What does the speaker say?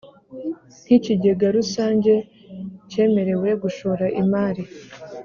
nk ikigega rusange cyemerewe gushora imari